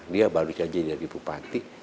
dia baru saja jadi bupati